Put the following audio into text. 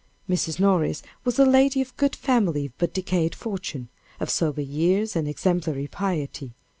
Mrs. Morris was a lady of good family, but decayed fortune, of sober years and exemplary piety.